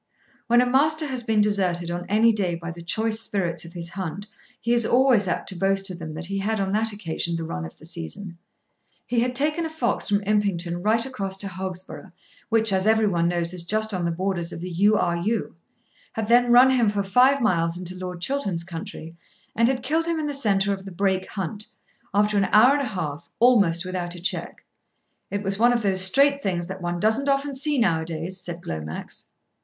When a Master has been deserted on any day by the choice spirits of his hunt he is always apt to boast to them that he had on that occasion the run of the season. He had taken a fox from Impington right across to Hogsborough, which, as every one knows, is just on the borders of the U. R. U., had then run him for five miles into Lord Chiltern's country, and had killed him in the centre of the Brake Hunt, after an hour and a half, almost without a check. "It was one of those straight things that one doesn't often see now a days," said Glomax.